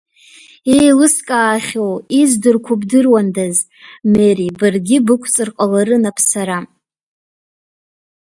Еилыскаахьоу, издырқәо бдыруандаз, Мери, баргьы бықәҵыр ҟаларын Аԥсара…